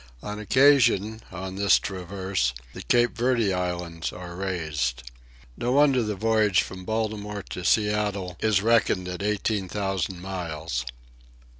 On occasion, on this traverse, the Cape Verde Islands are raised. No wonder the voyage from Baltimore to Seattle is reckoned at eighteen thousand miles.